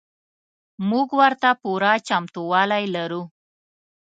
موږ ورته پوره چمتو والی لرو.